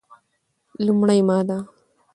لومړې ماده: